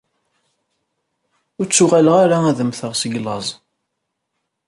Ur ttuɣaleɣ ara ad mmteɣ seg llaẓ.